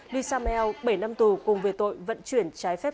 lee samuel bảy năm tù cùng về tội vận chuyển trái phép